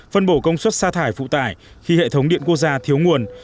phân bổ công suất xa thải phụ tải khi hệ thống điện quốc gia thiếu nguồn